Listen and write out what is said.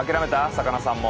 魚さんも。